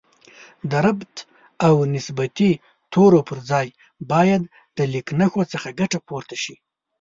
د ربط او نسبتي تورو پر ځای باید د لیکنښو څخه ګټه پورته شي